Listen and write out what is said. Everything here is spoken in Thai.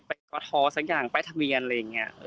ไปก็ท้อสักอย่างไปทะเวียนอะไรอย่างนี้